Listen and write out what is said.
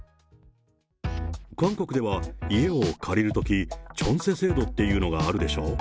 韓国では家を借りるとき、チョンセ制度っていうのがあるでしょ。